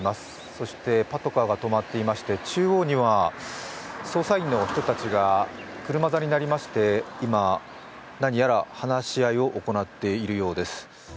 そしてパトカーが止まっていまして中央には捜査員の人たちが車座になりまして、今、何やら話し合いを行っているようです。